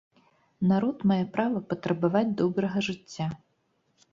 Народ мае права патрабаваць добрага жыцця.